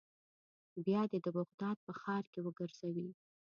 بیا دې د بغداد په ښار کې وګرځوي.